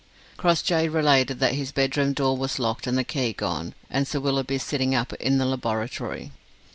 Crossjay related that his bedroom door was locked and the key gone, and Sir Willoughby sitting up in the laboratory.